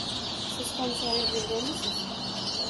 -Siz ham shoir bo’lganmisiz?